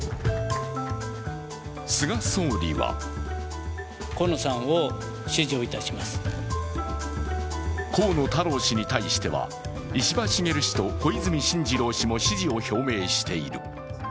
菅総理は河野太郎氏に対しては石破茂氏と小泉進次郎氏も支持を表明している。